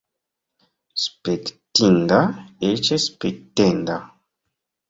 Spektinda, eĉ spektenda!